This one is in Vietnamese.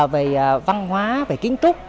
về văn hóa về kiến trúc